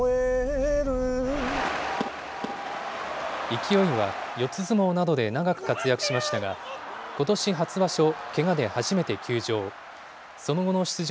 勢は、四つ相撲などで長く活躍しましたが、ことし初場所、けがで初めて休場。